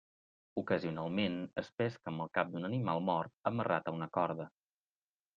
Ocasionalment es pesca amb el cap d'un animal mort amarrat a una corda.